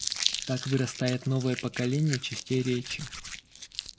Так вырастает новое поколение частей речи.